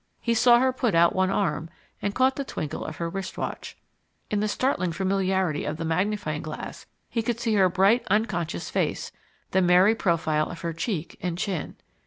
He saw her put out one arm and caught the twinkle of her wrist watch. In the startling familiarity of the magnifying glass he could see her bright, unconscious face, the merry profile of her cheek and chin.